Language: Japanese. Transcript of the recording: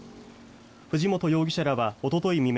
藤本容疑者はおととい未明